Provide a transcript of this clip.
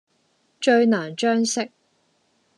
最難將息。